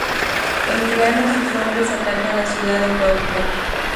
Emiliano y sus hombres atacan la ciudad de Cuautla.